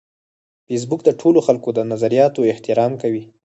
فېسبوک د ټولو خلکو د نظریاتو احترام کوي